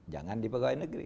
jangan di pegawai negeri